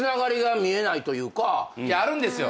あるんですよ。